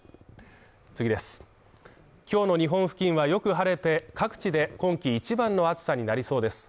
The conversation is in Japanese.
今日の日本付近はよく晴れて、各地で今季一番の暑さになりそうです。